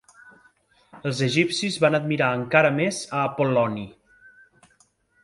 Els egipcis van admirar encara més a Apol·loni.